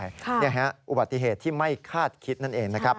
นี่ฮะอุบัติเหตุที่ไม่คาดคิดนั่นเองนะครับ